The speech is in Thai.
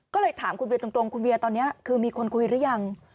ก็เลยถามคุณเวียตรงคุณเวียตอนนี้คือมีคนคุยหรือยัง